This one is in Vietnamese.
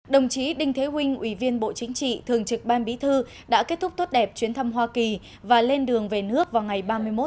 đồng chí đinh thế ủy viên bộ chính trị thường trực ban bí thư đã kết thúc tốt đẹp chuyến thăm hoa kỳ và lên đường về nước vào ngày ba mươi một tháng một